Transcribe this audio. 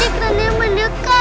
ibu polisi bor pabrik itu